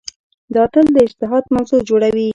دا تل د اجتهاد موضوع جوړوي.